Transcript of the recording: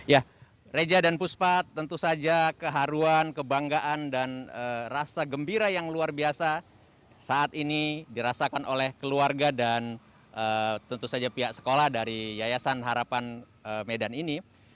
ya reja dan puspa tentu saja keharuan kebanggaan dan rasa gembira yang luar biasa saat ini dirasakan oleh keluarga dan tentu saja pihak sekolah dari yayasan harapan medan ini